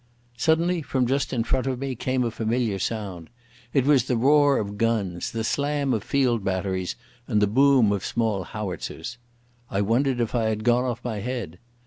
Suddenly from just in front of me came a familiar sound. It was the roar of guns—the slam of field batteries and the boom of small howitzers. I wondered if I had gone off my head.